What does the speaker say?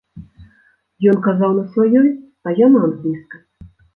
Ён казаў на сваёй, а я на англійскай.